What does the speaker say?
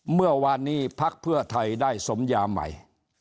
เมื่อวานนี้พักเพื่อไทยได้สมยาใหม่